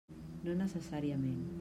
No necessàriament.